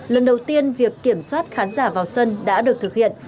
lần đầu tiên việc kiểm soát khán giả vào sân đã được thực hiện